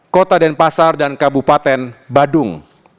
kota denpasar dan kabupaten badung